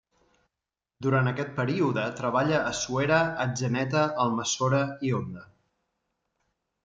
Durant aquest període treballa a Suera, Atzeneta, Almassora i Onda.